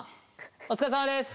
お疲れさまです。